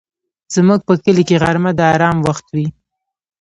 زموږ په کلي کې غرمه د آرام وخت وي